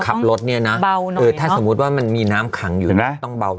ขับรถเนี่ยนะคือถ้าสมมุติว่ามันมีน้ำขังอยู่นะต้องเบา